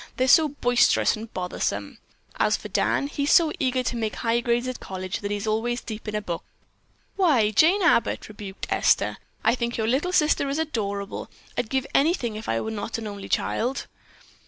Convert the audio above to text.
They're so boisterous and bothersome. As for Dan, he's so eager to make high grades at college that he always is deep in a book." "Why Jane Abbott," rebuked Esther. "I think your little sister is adorable. I'd give anything if I were not an only child."